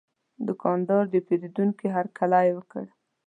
دوکاندار د پیرودونکي هرکلی وکړ.